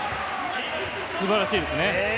素晴らしいですね。